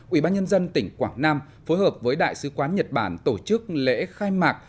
ủy ban nhân dân tỉnh quảng nam phối hợp với đại sứ quán nhật bản tổ chức lễ khai mạc